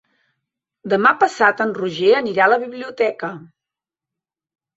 Demà passat en Roger anirà a la biblioteca.